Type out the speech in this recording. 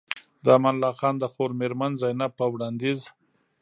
د امان الله خان د خور مېرمن زينب په وړانديز